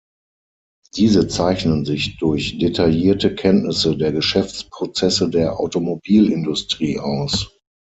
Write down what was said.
Diese zeichnen sich durch detaillierte Kenntnisse der Geschäftsprozesse der Automobilindustrie aus.